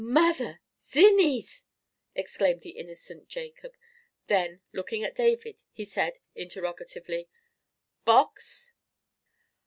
"Mother! zinnies!" exclaimed the innocent Jacob. Then, looking at David, he said, interrogatively, "Box?"